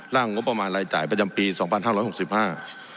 งบประมาณรายจ่ายประจำปีสองพันห้าร้อยหกสิบห้า